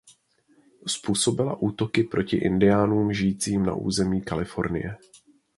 Způsobila útoky proti indiánům žijícím na území Kalifornie.